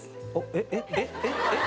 えっ？えっ？えっ？えっ？えっ？